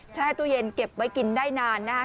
แช่ตู้เย็นเก็บไว้กินได้นานนะครับ